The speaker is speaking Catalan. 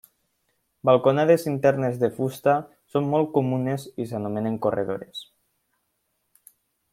Balconades internes de fusta són molt comunes i s'anomenen corredores.